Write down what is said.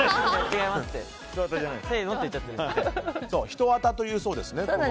ひとあたというそうですね。